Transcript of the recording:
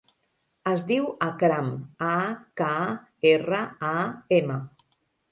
Es diu Akram: a, ca, erra, a, ema.